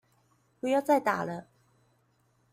不要再打了